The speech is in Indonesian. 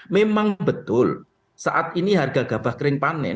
memang betul saat ini harga gabah kering panen